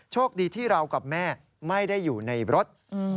โชคดีที่เรากับแม่ไม่ได้อยู่ในรถ